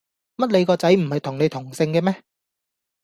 乜你個仔唔係同你同姓嘅咩